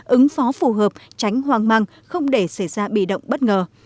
ứng phó phù hợp tránh hoang măng không để xảy ra bị động bất ngờ